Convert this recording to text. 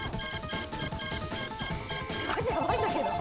マジヤバいんだけど。